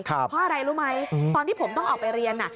เพราะอะไรรู้ไหมตอนที่ผมต้องออกไปเรียน